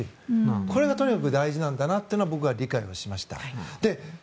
これがとにかく大事だと僕は理解しました。